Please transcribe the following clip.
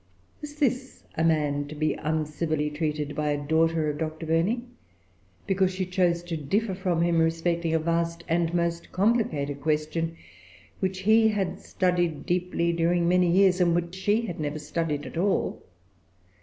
Was this a man to be uncivilly treated by a daughter of Dr. Burney, because she chose to differ from him respecting a vast and most complicated question, which he had studied deeply during many years, and which she had never studied at all?